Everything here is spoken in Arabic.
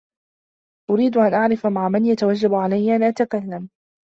أريد أن أعرف مع من يتوجب علي أن أتكلم.